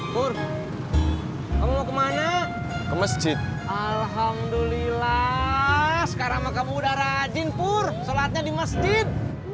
buru kamu kemana ke masjid alhamdulillah sekarang maka mudara jinpur sholatnya di masjid